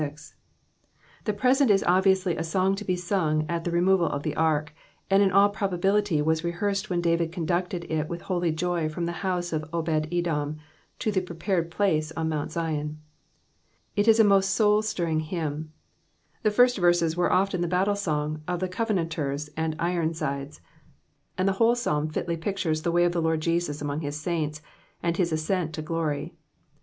The present is ohvUmsly a song to be stmg at the retnoixd of the ark ; and in all probability was rehearsed when David conducted U with holy joy from the house of Obed edom to the prepared place on Mount Zion. It is a most soul birring hymn. Hie first verses were often the battle song of the Covenanta s and Ironsides ; and the whole Psalm filly pictures the way of the Lord Jesus among his saints, and his ascent to glory.